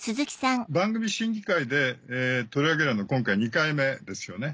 番組審議会で取り上げるの今回２回目ですよね？